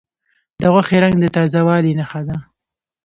د غوښې رنګ د تازه والي نښه ده.